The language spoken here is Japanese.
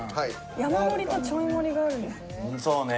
山盛りとちょい盛りがあるんですね。